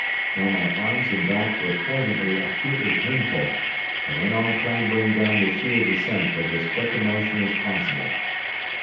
Though my arms and back were presently acutely painful, I went on clambering down the sheer descent with as quick a motion as possible.